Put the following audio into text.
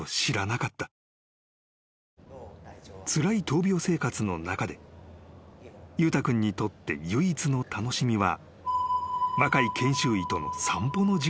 ［つらい闘病生活の中で裕太君にとって唯一の楽しみは］